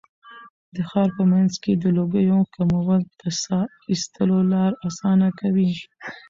د ښار په منځ کې د لوګیو کمول د ساه ایستلو لاره اسانه کوي.